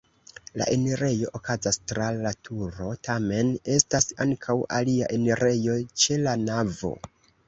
La enirejo okazas tra la turo, tamen estas ankaŭ alia enirejo ĉe la navo.